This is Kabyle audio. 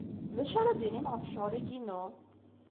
D acu ara d-tinim ɣef ccɣel-agi-inu?